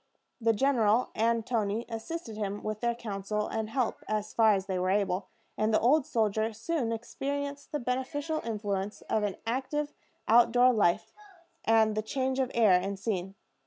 The general and Toni assisted him with their counsel and help as far as they were able; and the old soldier soon experienced the beneficial influence of an active out door life and the change of air and scene.